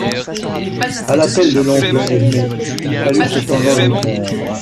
A l'appel de l'oncle Edme, il fallut cependant répondre.